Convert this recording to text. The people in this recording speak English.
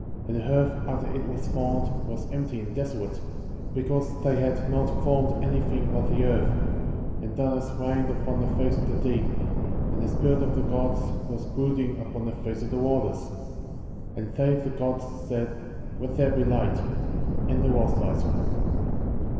*4. And the earth, after it was formed, was empty and desolate, because they had not formed anything but the earth; and darkness reigned upon the face of the deep, and the Spirit of the Gods was brooding upon the face of the waters. 3. And they (the Gods) said: Let there be light; and there was light.